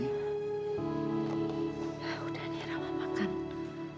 ya udah nih rama makan